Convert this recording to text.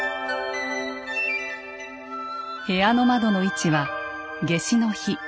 部屋の窓の位置は夏至の日